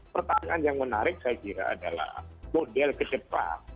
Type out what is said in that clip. pertanyaan yang menarik saya kira adalah model kecepatan